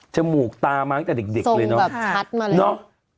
จมูกตามันก็คือเด็กเลยเนาะซ่งแบบชัดมาเลย